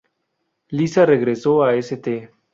Lisa regresó a St.